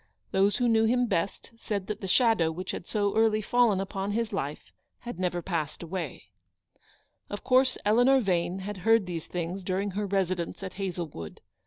Those who knew him best said that the shadow which had so early fallen upon his life had never passed away. Of course Eleanor Vane had heard these things THE SHADOW ON GILBERT MOXCKTON's LIFE. 317 during her residence at Hazlewood.